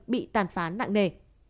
bị tàn phán nặng nề